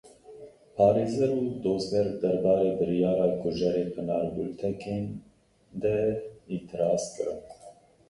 Parêzer û dozger derbarê biryara kujerê Pinar Gultekin de îtiraz kirin.